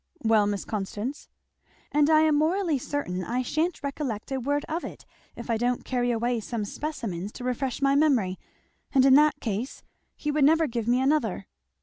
"Well, Miss Constance?" "And I am morally certain I sha'n't recollect a word of it if I don't carry away some specimens to refresh my memory and in that case he would never give me another!"